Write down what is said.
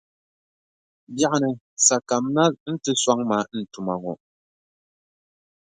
Biɛɣuni sa kamina nti sɔŋ ma ni n tuma ŋɔ.